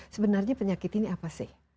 sebenarnya penyakit ini apa sih